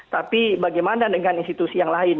tapi bagaimana dengan institusi yang lain